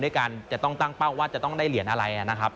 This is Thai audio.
การจะต้องตั้งเป้าว่าจะต้องได้เหรียญอะไรนะครับ